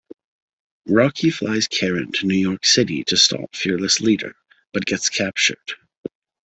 Rocky flies Karen to New York City to stop Fearless Leader, but gets captured.